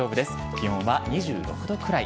気温は２６度くらい。